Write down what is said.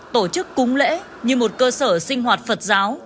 tổ chức cúng lễ như một cơ sở sinh hoạt phật giáo